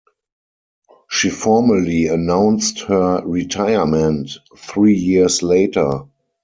She formally announced her retirement three years later.